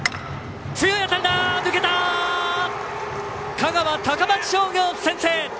香川、高松商業、先制！